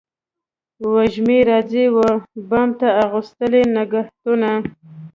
وږمې راځي و بام ته اغوستلي نګهتونه